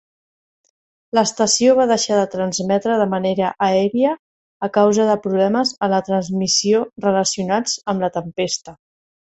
L'estació va deixar de transmetre de manera aèria a causa de problemes en la transmissió relacionats amb la tempesta.